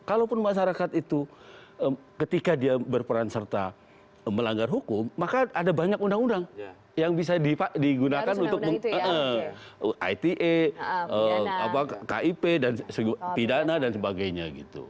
kalaupun masyarakat itu ketika dia berperan serta melanggar hukum maka ada banyak undang undang yang bisa digunakan untuk ite kip pidana dan sebagainya